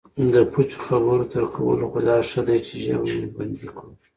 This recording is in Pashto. د پوچو خبرو تر کولو خو دا ښه دی چې ژبه مو بندي کړو